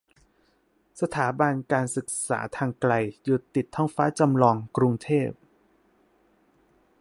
สถาบันการศึกษาทางไกล อยู่ติดท้องฟ้าจำลอง กรุงเทพ